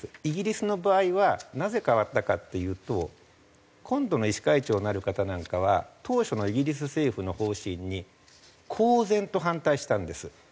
イギリスの場合はなぜ変わったかっていうと今度の医師会長になる方なんかは当初のイギリス政府の方針に公然と反対したんです。